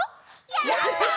やった！